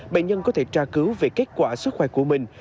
bệnh nhân có thể tra cứu về kết quả sức khỏe của mình